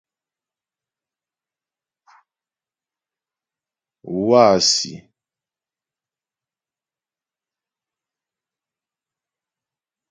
Wâsi᷅.